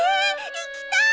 行きたい！